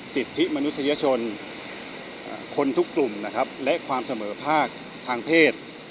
สิทธิมนุษยชนคนทุกกลุ่มนะครับและความเสมอภาคทางเพศ